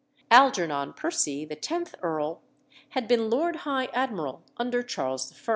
Algernon Percy, the tenth earl, had been Lord High Admiral under Charles I.